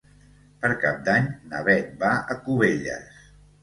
Per Cap d'Any na Beth va a Cubelles.